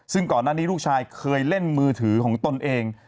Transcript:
ซึ่งก่อนหน้านี้ลูกชายเคยเล่นมือถือของตนเอง